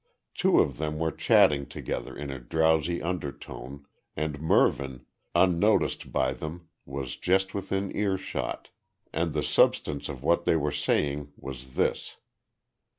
Two of them were chatting together in a drowsy undertone, and Mervyn, unnoticed by them, was just within earshot, and the substance of what they were saying was this.